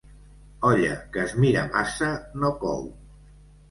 Olla que es mira massa no cou.